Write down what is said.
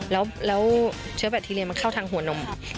แล้วเชื้อแบคทีเรียมันเข้าทางหัวนม